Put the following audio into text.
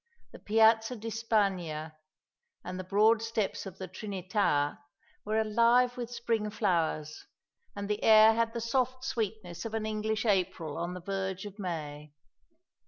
The Piazza d'Ispagnia and the broad steps of the Trinità were alive with spring flowers, and the air had the soft sweetness of an English April on the verge of May.